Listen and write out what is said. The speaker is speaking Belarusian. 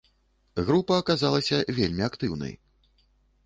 Група аказалася вельмі актыўнай.